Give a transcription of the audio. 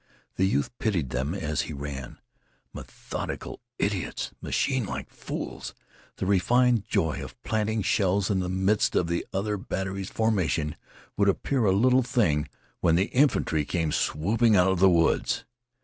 The youth pitied them as he ran. Methodical idiots! Machine like fools! The refined joy of planting shells in the midst of the other battery's formation would appear a little thing when the infantry came swooping out of the woods.